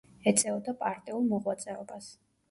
ეწეოდა პარტიულ მოღვაწეობას.